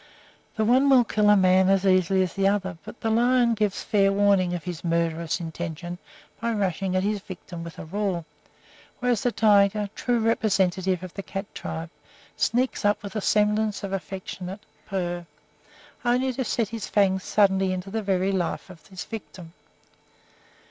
The one will kill a man as easily as the other, but the lion gives fair warning of his murderous intention by rushing at his victim with a roar, whereas the tiger, true representative of the cat tribe, sneaks up with semblance of affectionate purr, only to set his fangs suddenly into the very life of his victim.